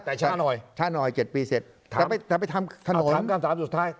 แต่ชะนอยชะนอยเจ็ดปีเสร็จแต่ไปแต่ไปทำถนนถามสามสุดท้าย